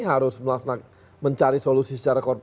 harus mencari solusi secara